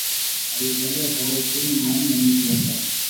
Aliyezaliwa tarehe ishirini na nne mwezi wa tatu